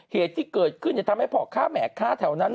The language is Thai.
เหตุที่เกิดขึ้นทำให้พ่อค้าแหม่ค้าแถวนั้น